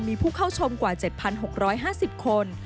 มีผู้เข้าชมกว่า๗๖๕๐คน